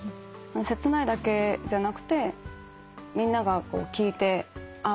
切ないだけじゃなくてみんなが聴いてああ